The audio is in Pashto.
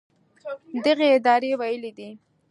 دغې ادارې ویلي دي